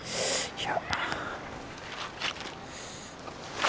いや。